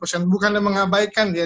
ya kita mengabaikan ya